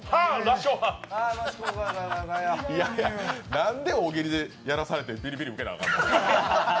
なんで大喜利やらされてビリビリ受けなきゃあかんの。